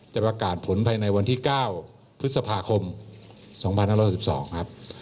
ประกาศผลภายในวันที่๙พฤษภาคม๒๕๖๒ครับ